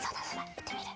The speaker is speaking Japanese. いってみる？